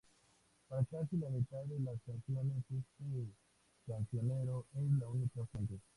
Para casi la mitad de las canciones, este cancionero es la única fuente.